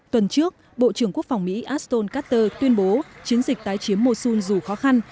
tuần trước bộ trưởng quốc phòng mỹ aston carter tuyên bố chiến dịch tái chiếm mosul dù khó khăn